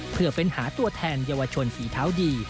เพื่อเฟ้นหาตัวแทนเยาวชนฝีเท้าดี